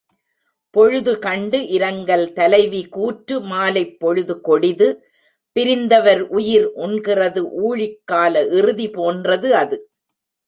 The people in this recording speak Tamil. பொழுதுகண்டு இரங்கல் தலைவி கூற்று மாலைப்பொழுது கொடிது பிரிந்தவர் உயிர் உண்கிறது ஊழிக்கால இறுதி போன்றது அது.